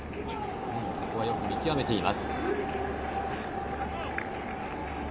ここはよく見極めています。